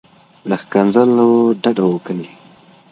له ښکنځلو ډډه وکړئ.